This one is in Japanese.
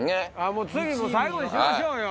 次最後にしましょうよ。